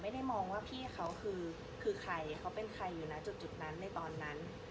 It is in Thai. ไม่ได้มองว่าพี่เขาคือใครเขาเป็นใครอยู่นะจุดนั้นในตอนนั้น